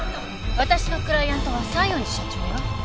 私のクライアントは西園寺社長よ。